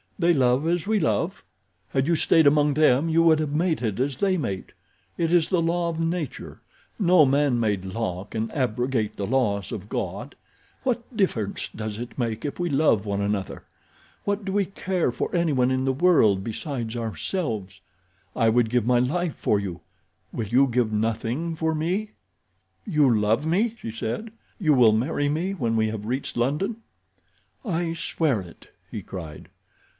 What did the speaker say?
They love as we love. Had you stayed among them you would have mated as they mate. It is the law of nature—no man made law can abrogate the laws of God. What difference does it make if we love one another? What do we care for anyone in the world besides ourselves? I would give my life for you—will you give nothing for me?" "You love me?" she said. "You will marry me when we have reached London?" "I swear it," he cried.